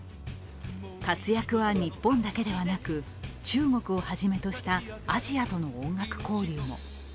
活躍は日本だけではなく、中国をはじめとしたアジアとの音楽交流も。